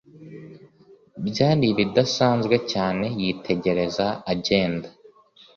byari bidasanzwe cyane yitegereza agenda